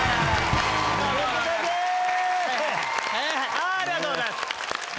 ありがとうございます。